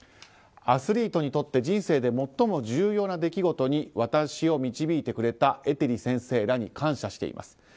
アスリートにとって人生で最も重要な出来事に私を導いてくれたエテリ先生らに感謝しています。